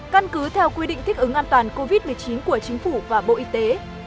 căn cứ theo quy định thích ứng an toàn covid một mươi chín của chính phủ và bộ y tế